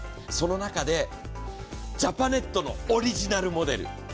その中でジャパネットのオリジナルモデル。